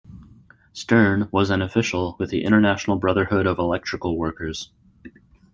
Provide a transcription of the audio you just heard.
Stern was an official with the International Brotherhood of Electrical Workers.